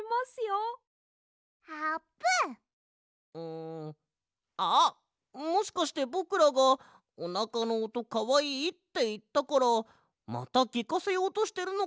んあっもしかしてぼくらが「おなかのおとかわいい」っていったからまたきかせようとしてるのか？